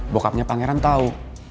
bokapnya pangeran tahu